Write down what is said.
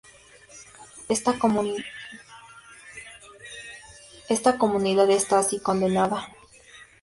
Esta comunidad está así condenada.